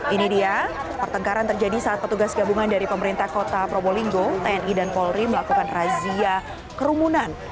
ini dia pertengkaran terjadi saat petugas gabungan dari pemerintah kota probolinggo tni dan polri melakukan razia kerumunan